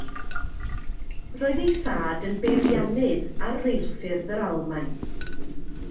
Roedd ei thad yn beiriannydd ar reilffyrdd yr Almaen.